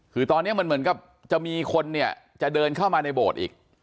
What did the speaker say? คือตอนนี้มันเหมือนกับจะมีคนเนี่ยจะเดินเข้ามาในโบสถ์อีก